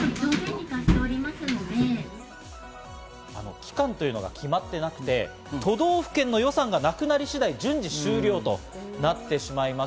期間というのが決まっていなくて都道府県の予算がなくなり次第順次終了となってしまいます。